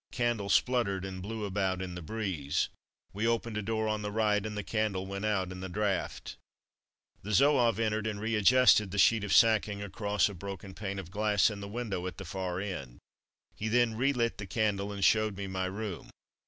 The candle spluttered and blew about in the breeze. We opened a door on the right and the candle went out in the draught. The Zouave entered and readjusted the sheet of sacking across a broken pane of glass in the window at the far end. He then relit the candle and showed me my room.